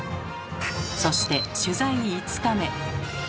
そして取材５日目。